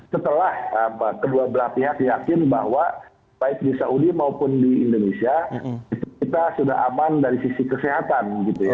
setelah kedua belah pihak yakin bahwa baik di saudi maupun di indonesia kita sudah aman dari sisi kesehatan gitu ya